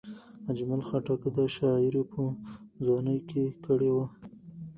اجمل خټک دا شاعري په ځوانۍ کې کړې وه.